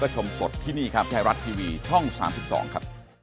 ชมสดที่นี่ครับไทยรัฐทีวีช่อง๓๒ครับ